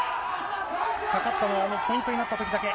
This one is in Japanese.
かかったのはポイントになったときだけ。